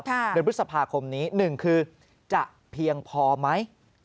เดือนพฤษภาคมนี้๑คือจะเพียงพอไหม